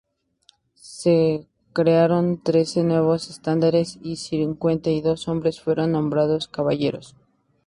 Se crearon trece nuevos estandartes y cincuenta y dos hombres fueron nombrados caballeros.